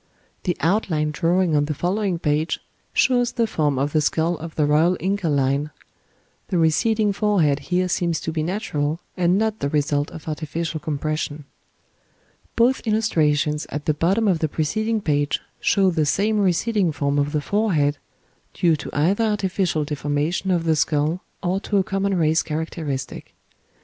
The outline drawing on the following page shows the form of the skull of the royal Inca line: the receding forehead here seems to be natural, and not the result of artificial compression. Both illustrations at the bottom of the preceding page show the same receding form of the forehead, due to either artificial deformation of the skull or to a common race characteristic.